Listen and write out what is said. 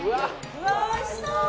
うわーおいしそう！